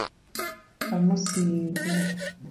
Amos Yego